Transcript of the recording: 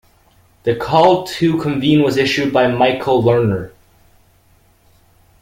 The call to convene was issued by Michael Lerner.